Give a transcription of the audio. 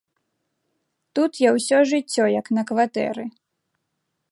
Тут я ўсё жыццё як на кватэры.